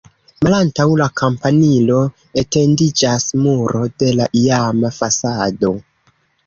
Malantaŭ la kampanilo etendiĝas muro de la iama fasado.